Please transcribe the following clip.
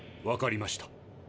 わかりました。